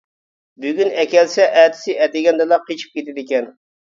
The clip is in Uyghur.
بۈگۈن ئەكەلسە ئەتىسى ئەتىگەندىلا قېچىپ كېتىدىكەن.